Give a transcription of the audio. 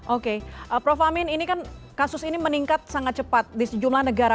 oke prof amin ini kan kasus ini meningkat sangat cepat di sejumlah negara